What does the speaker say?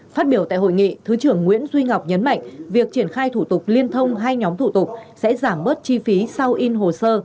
phát biểu tại hội nghị thứ trưởng nguyễn duy ngọc nhấn mạnh việc triển khai thủ tục liên thông hai nhóm thủ tục sẽ giảm bớt chi phí sau in hồ sơ